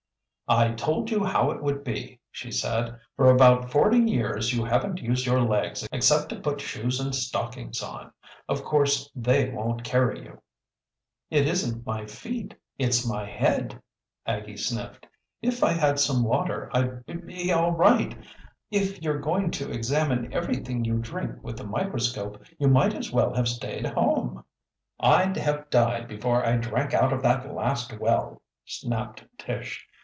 "I told you how it would be!" she said. "For about forty years you haven't used your legs except to put shoes and stockings on. Of course they won't carry you." "It isn't my feet, it's my head," Aggie sniffed. "If I had some water I'd b be all right. If you're going to examine everything you drink with a microscope you might as well have stayed at home." "I'd have died before I drank out of that last well," snapped Tish.